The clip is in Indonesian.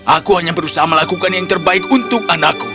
aku hanya berusaha melakukan yang terbaik untuk anakku